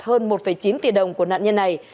hơn một chín tỷ đồng của nạn nhân này